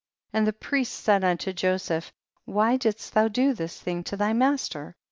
7L And the priests said unto Joseph, why didst thou do this thing to thy master ?